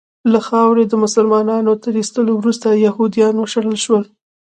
له خاورې د مسلنانو تر ایستلو وروسته یهودیان وشړل شول.